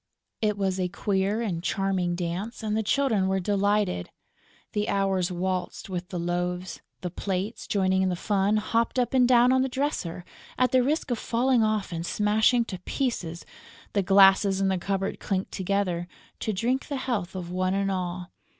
It was a queer and charming dance; and the Children were delighted. The Hours waltzed with the loaves; the plates, joining in the fun, hopped up and down on the dresser, at the risk of falling off and smashing to pieces; the glasses in the cupboard clinked together, to drink the health of one and all.